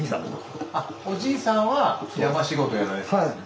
あおじいさんは山仕事やられてたんですね。